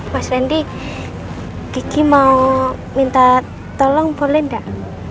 mas randi geki mau minta tolong boleh nggak